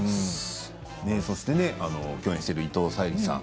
そして共演している伊藤沙莉さん。